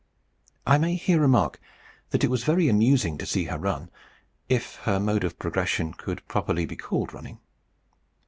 I may here remark that it was very amusing to see her run, if her mode of progression could properly be called running.